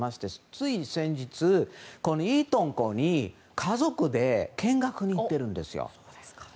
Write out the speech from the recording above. つい先日、イートン校に家族で見学に行ってるんですよ。